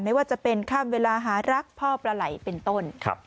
ไม่ว่าจะเป็นข้ามเวลาหารักพ่อปลาไหล่เป็นต้น